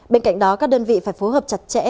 bên cạnh đó các đơn vị phải phối hợp chặt chẽ